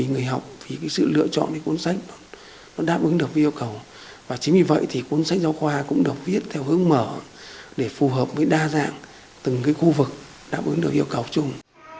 giáo khoa cũng được viết theo hướng mở để phù hợp với đa dạng từng khu vực đáp ứng được yêu cầu chung